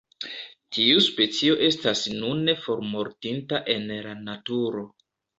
Tiu specio estas nune formortinta en la naturo.